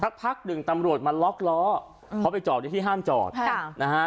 พักหนึ่งตำรวจมาล็อกล้อเขาไปจอดในที่ห้ามจอดค่ะนะฮะ